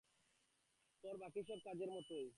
তোর বাকি সব কাজের মতোই।